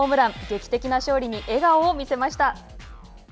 劇的な勝利に笑顔を見せました。